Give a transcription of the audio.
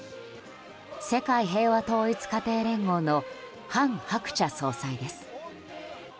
世界平和統一家庭連合の韓鶴子総裁です。